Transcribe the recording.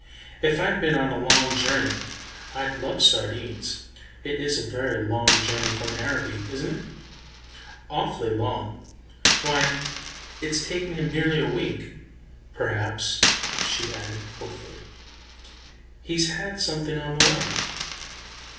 "If I'd been on a long journey, I'd love sardines. It is a very long journey from Araby, isn't it?" "Awful long. Why, it's taken him nearly a week. Perhaps," she added hopefully, "he's had something on the way."